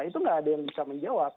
itu nggak ada yang bisa menjawab